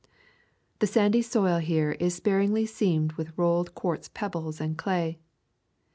The sandy soil here is sparingly seamed with rolled quartz pebbles and clay.